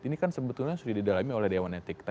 ini kan sebetulnya sudah didalami oleh dewan etik